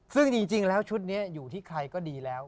ซึ่งจริงแล้วชุดนี้อยู่ที่ใครก็ดีแล้ว